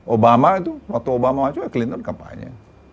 obama itu waktu obama masuk ya clinton kampanye